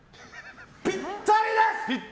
ぴったりです！